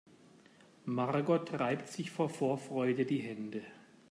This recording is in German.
Margot reibt sich vor Vorfreude die Hände.